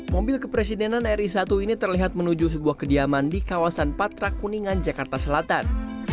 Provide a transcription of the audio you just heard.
mobil kepresidenan ri satu ini terlihat menuju sebuah kediaman di kawasan patra kuningan jakarta selatan